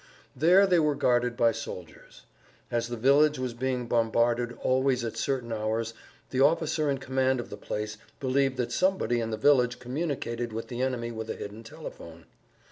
There they were guarded by soldiers. As the village was being bombarded always at certain hours the officer in command of the place believed that somebody in the village communicated with the enemy with a hidden telephone.